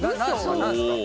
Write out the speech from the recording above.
何ですか？